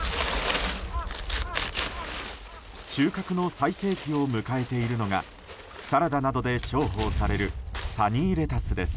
収穫の最盛期を迎えているのがサラダなどで重宝されるサニーレタスです。